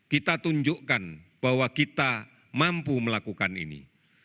kita tunjukkan bahwa kita mampu melakukan ini